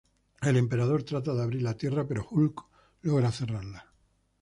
El emperador trata de abrir la tierra pero Hulk logra cerrarla.